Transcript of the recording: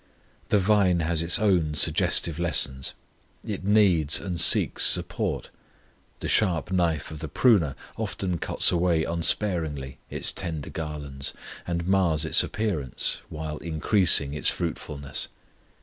The vine has its own suggestive lessons: it needs and seeks support; the sharp knife of the pruner often cuts away unsparingly its tender garlands, and mars its appearance, while increasing its fruitfulness.